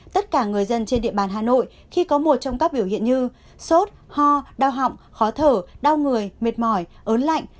tất cả người dân trên địa bàn hà nội khi có một trong các biểu hiện như sốt ho đau họng khó thở đau người mệt mỏi ớn lạnh